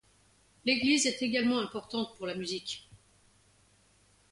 L'église est également importante pour la musique.